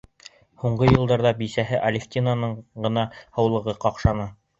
Һуңғы йылдарҙа бисәһе Алевтинаның ғына һаулығы ҡаҡшаны.